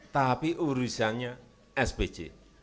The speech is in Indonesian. tapi urusannya spj